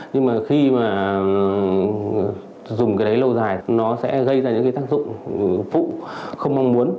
nhưng mà khi mà dùng cái đấy lâu dài nó sẽ gây ra những cái tác dụng phụ không mong muốn